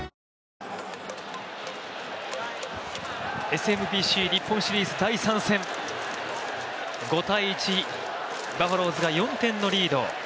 ＳＭＢＣ日本シリーズ第３戦、５−１、バファローズが４点のリード。